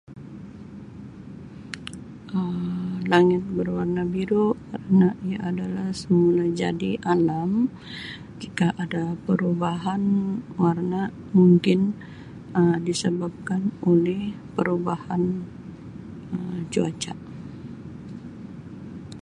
Um Langit bewarna biru kerana ia adalah semulajadi alam jika ada perubahan warna mungkin Um disebabkan oleh perubahan Um cuaca.